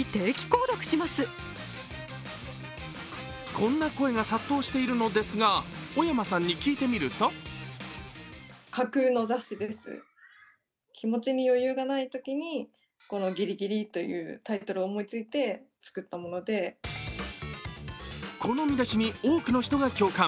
こんな声が殺到しているのですがおやまさんに聞いてみるとこの見出しに多くの人が共感。